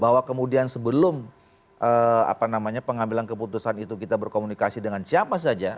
bahwa kemudian sebelum pengambilan keputusan itu kita berkomunikasi dengan siapa saja